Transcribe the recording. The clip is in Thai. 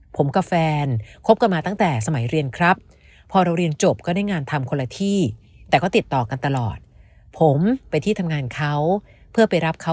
ผมกับแฟนคบกันมาตั้งแต่สมัยเรียนครับ